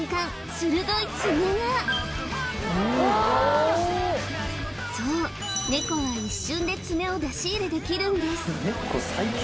鋭い爪がそうネコは一瞬で爪を出し入れできるんです